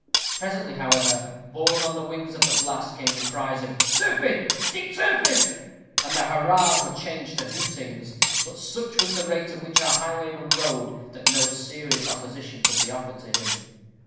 Presently, however, borne on the wings of the blast, came the cries of "Turpin! Dick Turpin!" and the hurrahs were changed to hootings; but such was the rate at which our highwayman rode, that no serious opposition could be offered to him.